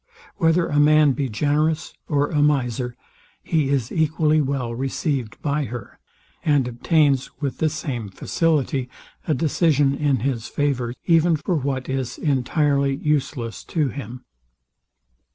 Whether a man be generous, or a miser, he is equally well received by her, and obtains with the same facility a decision in his favours, even for what is entirely useless to him.